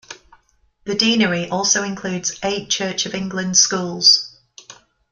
The deanery also includes eight Church of England schools.